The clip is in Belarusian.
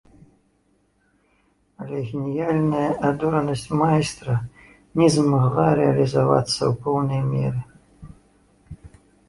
Але геніяльная адоранасць майстра не змагла рэалізавацца ў поўнай меры.